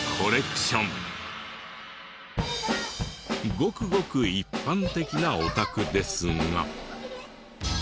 ごくごく一般的なお宅ですが。